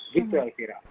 gitu ya fira